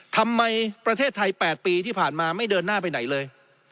ประเทศไทย๘ปีที่ผ่านมาไม่เดินหน้าไปไหนเลย